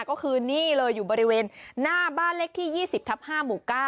ก็คือนี่เลยอยู่บริเวณหน้าบ้านเลขที่๒๐ทับ๕หมู่๙